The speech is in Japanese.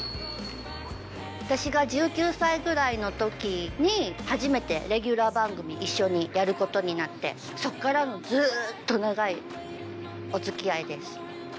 私が１９歳くらいの時に初めてレギュラー番組一緒にやることになってそっからのずっと長いお付き合いです。